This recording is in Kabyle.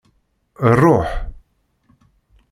Ṛuḥ!